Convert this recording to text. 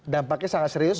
dampaknya sangat serius